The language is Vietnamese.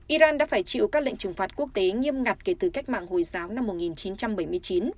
iran đã phải chịu các lệnh trừng phạt quốc tế nghiêm ngặt kể từ cách mạng hồi giáo năm một nghìn chín trăm bảy mươi chín